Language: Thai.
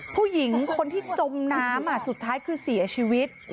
ผู้หญิงคนที่จมน้ำสุดท้ายคือเสียชีวิต